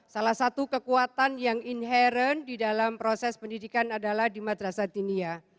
salah satu kekuatan yang inherent di dalam proses pendidikan adalah di madrasah dinia